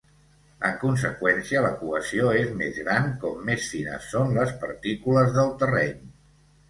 En conseqüència, la cohesió és més gran com més fines són les partícules del terreny.